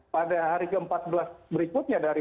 pada hari ke empat belas berikutnya